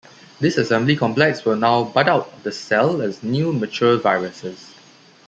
This assembly complex will now bud out of the cell as new mature viruses.